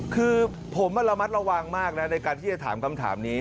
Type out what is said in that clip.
คือผมระมัดระวังมากนะในการที่จะถามคำถามนี้